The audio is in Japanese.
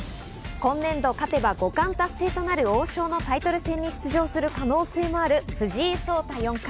今年度、勝てば五冠達成となる王将のタイトル戦に出場する可能性もある藤井聡太四冠。